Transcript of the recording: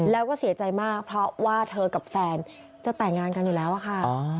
แล้วก็เสียใจมากเพราะว่าเธอกับแฟนจะแต่งงานกันอยู่แล้วอะค่ะ